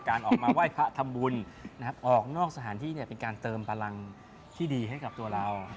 ออกมาไหว้พระทำบุญนะครับออกนอกสถานที่เป็นการเติมพลังที่ดีให้กับตัวเรา